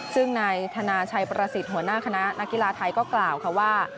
ซึ่งนายธนาชัยประสิทธิ์หัวหน้าคณะนักกีฬาไทยก็กล่าวค่ะว่า